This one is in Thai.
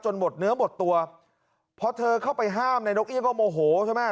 หมดเนื้อหมดตัวพอเธอเข้าไปห้ามในนกเอี่ยงก็โมโหใช่ไหม